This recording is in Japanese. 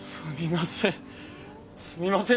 すみません。